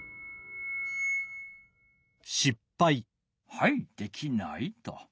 はいできないと。